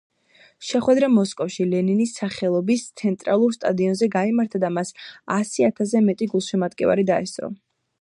შეხვედრა მოსკოვში, ლენინის სახელობის ცენტრალურ სტადიონზე გაიმართა და მას ასი ათასზე მეტი გულშემატკივარი დაესწრო.